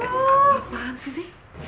ngapain sih nih